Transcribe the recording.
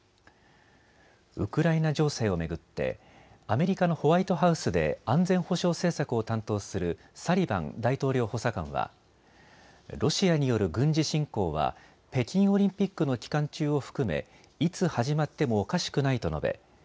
ウクライナ情勢を巡ってアメリカのホワイトハウスで安全保障政策を担当するサリバン大統領補佐官はロシアによる軍事侵攻は北京オリンピックの期間中を含めいつ始まってもおかしくないと述べ